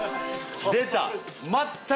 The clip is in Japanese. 出た！